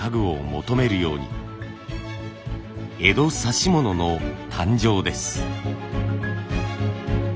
江戸指物の誕生です。